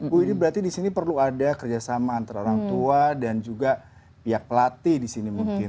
bu ini berarti disini perlu ada kerjasama antara orang tua dan juga pihak pelatih disini mungkin